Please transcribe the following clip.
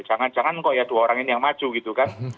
jangan jangan kok ya dua orang ini yang maju gitu kan